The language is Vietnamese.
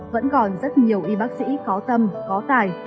vẫn còn rất nhiều y bác sĩ có tâm có tài